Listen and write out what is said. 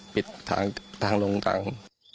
ปิดทางลงกลาง